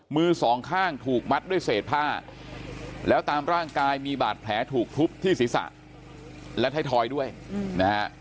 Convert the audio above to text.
มือสองข้างถูกมัดด้วยเศษผ้าแล้วตามร่างกายมีบาดแผลถูกทุบที่ศีรษะและไทยทอยด้วยนะฮะ